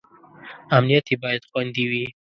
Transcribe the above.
امنیت یې باید خوندي وي.